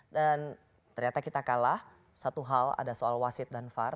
dan ternyata kita kalah satu hal ada soal wasit dan far